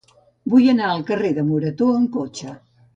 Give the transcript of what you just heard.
Vull anar al carrer de Morató amb cotxe.